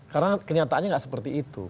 karena kenyataannya nggak seperti itu